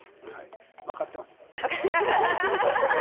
分かっています。